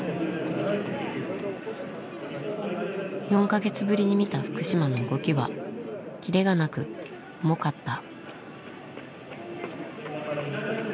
４か月ぶりに見た福島の動きはキレがなく重かった。